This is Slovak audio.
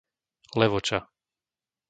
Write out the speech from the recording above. Levoča